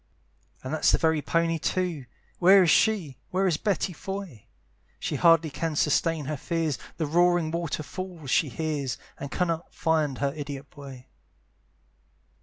And that's the very pony too. Where is she, where is Betty Foy? She hardly can sustain her fears; The roaring water fall she hears, And cannot find her idiot boy.